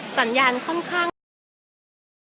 สัญญาณค่อนข้างอ่อนนะคะ